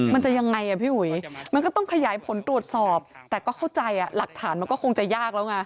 มันจะยังไงอ่ะพี่อุ๋ยมันก็ต้องขยายผลตรวจสอบแต่ก็เข้าใจหลักฐานมันก็คงจะยากแล้วไง